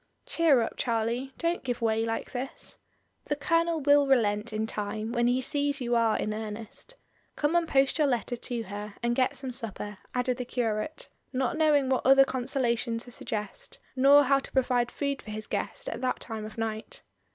"Cheer up, Charlie, don't give way like this. The Colonel will relent in time when he sees you are in earnest. Come and post your letter to her and get some supper," added the curate, not knowing what other 1 86 MRS. DYMOND. consolation to suggest, nor how to provide food for his guest at that time of night.